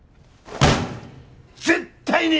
絶対に！